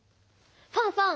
ファンファン！